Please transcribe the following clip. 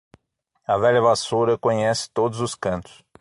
A velha vassoura conhece todos os cantos.